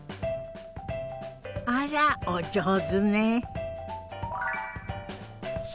あらお上手ね。